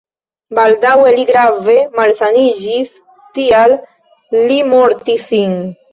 Baldaŭe li grave malsaniĝis, tial li mortis sin.